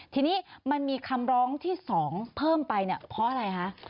ทีนี้มันมีคำร้องที่๒เพิ่มไปเนี่ยเพราะอะไรคะ